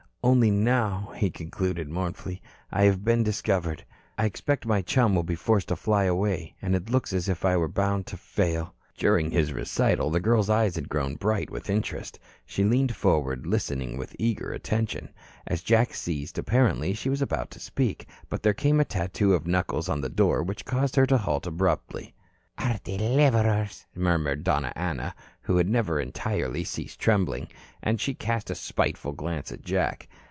"Only now," he concluded mournfully, "I have been discovered. I expect my chum will be forced to fly away. And it looks as if I were bound to fail." During his recital, the girl's eyes had grown bright with interest. She leaned forward, listening with eager attention. As Jack ceased, apparently she was about to speak, but there came a tattoo of knuckles on the door which caused her to halt abruptly. "Our deliverers," murmured Donna Ana, who had never entirely ceased trembling, and she cast a spiteful glance at Jack.